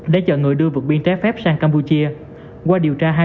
để chờ người đưa vực biên trái phép sang campuchia